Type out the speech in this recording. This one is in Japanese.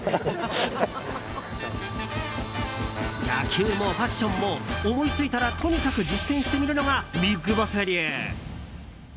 野球もファッションも思いついたらとにかく実践してみるのがビッグボス流。